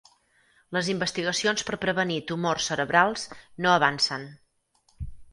Les investigacions per prevenir tumors cerebrals no avancen